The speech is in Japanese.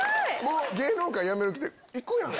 芸能界やめる気で行くやん。